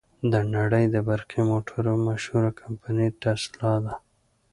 د نړې د برقی موټرو مشهوره کمپنۍ ټسلا ده.